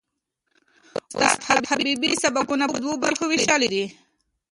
استاد حبیبي سبکونه په دوو برخو وېشلي دي.